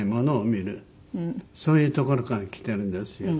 そういうところからきているんですよ。